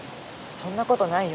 そんな事ないよ。